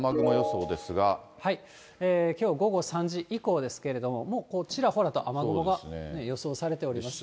きょう午後３時以降ですけれども、もうちらほらと雨雲が予想されております。